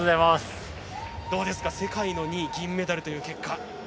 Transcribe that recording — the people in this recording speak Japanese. どうですか、世界の２位銀メダルという結果。